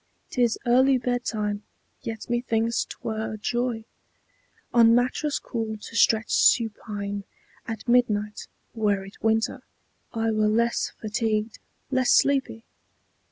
'T is early bedtime, yet methinks 't were joy On mattress cool to stretch supine. At midnight, Were it winter, I were less fatigued, less sleepy.